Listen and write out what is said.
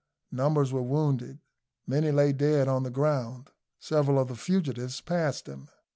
Numbers were wounded; many lay dead on the ground. Several of the fugitives passed him.